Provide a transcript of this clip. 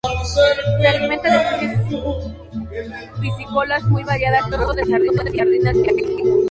Se alimenta de especies piscícolas muy variadas, pero sobre todo de sardinas y arenques.